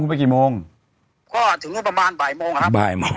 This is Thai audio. ก็ถึงประมาณบ่ายโมงครับ